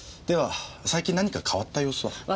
では最近何か変わった様子は？